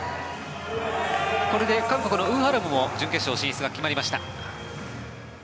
これで韓国のウ・ハラムも準決勝進出が決まりました。